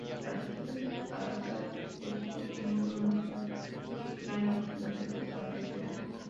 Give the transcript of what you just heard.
Las respuestas a esta cuestión tienen un origen cultural en lo filosófico-religioso.